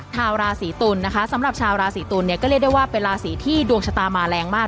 ชาวราศีตุลนะคะสำหรับชาวราศีตุลเนี่ยก็เรียกได้ว่าเป็นราศีที่ดวงชะตามาแรงมาก